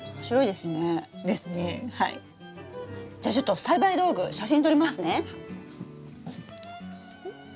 じゃちょっと栽培道具写真撮りますね！